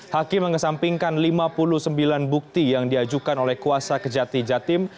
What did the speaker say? hakim mengesampingkan lima puluh sembilan bukti yang diajukan oleh kuasa kejati jatim